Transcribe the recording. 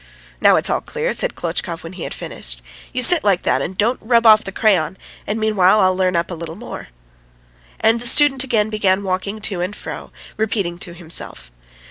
"Now it's all clear," said Klotchkov when he had finished. "You sit like that and don't rub off the crayon, and meanwhile I'll learn up a little more." And the student again began walking to and fro, repeating to himself.